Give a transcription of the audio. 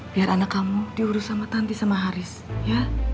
biar anak kamu diurus sama tanti sama haris ya